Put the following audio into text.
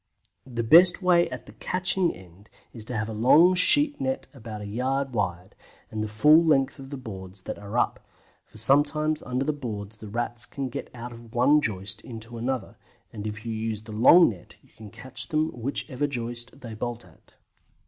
The best way at the catching end is to have a long sheet net about a yard wide, and the full length of the boards that are up, for sometimes under the boards the Rats can get out of one joist into another, and if you use the long net you can catch them whichever joist they bolt at.